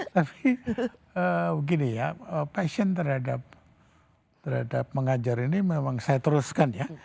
tapi begini ya passion terhadap mengajar ini memang saya teruskan ya